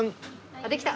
あっできた！